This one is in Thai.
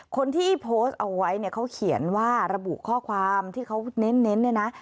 คนที่โพสต์เอาไว้เนี่ยเขาเขียนว่าระบุข้อความที่เขาเน้นเนี่ยนะ